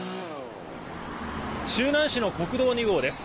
周南市の国道２号です。